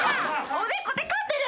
おでこてかってる。